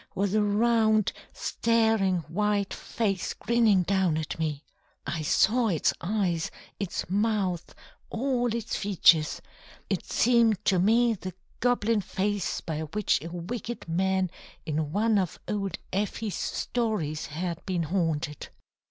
was a round, staring, white face grinning down at me. I saw its eyes, its mouth, all its features it seemed to me the goblin face by which a wicked man in one of old Effie's stories had been haunted.